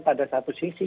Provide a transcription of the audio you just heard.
pada satu sisi